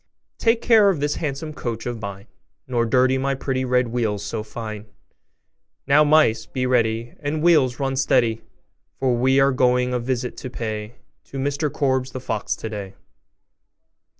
'Take care of this handsome coach of mine, Nor dirty my pretty red wheels so fine! Now, mice, be ready, And, wheels, run steady! For we are going a visit to pay To Mr Korbes, the fox, today.